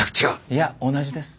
いや同じです。